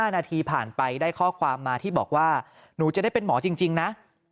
๕นาทีผ่านไปได้ข้อความมาที่บอกว่าหนูจะได้เป็นหมอจริงนะ